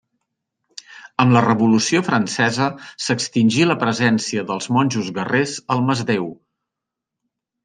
Amb la Revolució Francesa s'extingí la presència dels monjos guerrers al Masdéu.